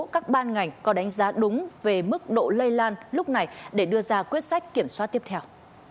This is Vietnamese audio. các ban ngành có đánh giá đúng về mức độ lây lan lúc này để đưa ra quyết sách kiểm soát tiếp theo